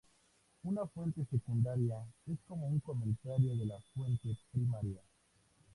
Una fuente secundaria es como un comentario de la fuente primaria.